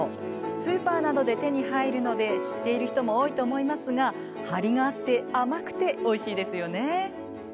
スーパーなどで手に入るので知っている人も多いと思いますが張りがあって甘くておいしいですよね。